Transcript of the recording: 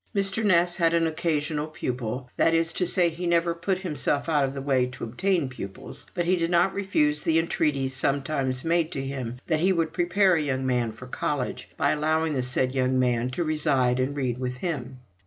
Mr. Ness had an occasional pupil; that is to say, he never put himself out of the way to obtain pupils, but did not refuse the entreaties sometimes made to him that he would prepare a young man for college, by allowing the said young man to reside and read with him.